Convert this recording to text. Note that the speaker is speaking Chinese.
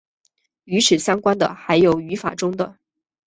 与此相关的还有法语中的。